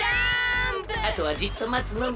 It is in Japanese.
あとはじっとまつのみ。